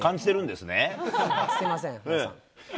すみません。